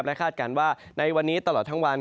และคาดการณ์ว่าในวันนี้ตลอดทั้งวัน